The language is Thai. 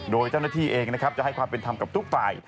โดยเจ้าหน้าที่เองนะครับจะให้ความเป็นธรรมกับทุกฝ่าย